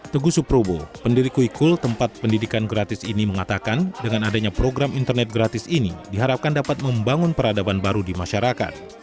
teguh suprobo pendiri kuikul tempat pendidikan gratis ini mengatakan dengan adanya program internet gratis ini diharapkan dapat membangun peradaban baru di masyarakat